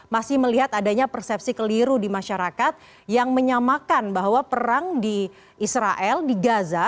masih melihat adanya persepsi keliru di masyarakat yang menyamakan bahwa perang di israel di gaza